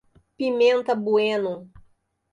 Pimenta Bueno